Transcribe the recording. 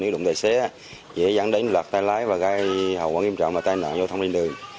nếu đụng tài xế thì dẫn đến lạc tay lái và gây hậu quả nghiêm trọng và tai nạn vô thông liên đường